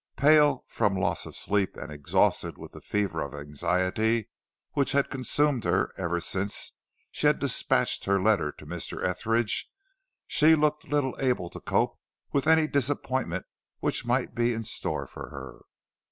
Pale from loss of sleep and exhausted with the fever of anxiety which had consumed her ever since she had despatched her letter to Mr. Etheridge, she looked little able to cope with any disappointment which might be in store for her.